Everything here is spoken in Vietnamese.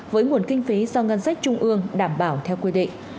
với nguồn kinh phí do ngân sách trung ương đảm bảo theo quy định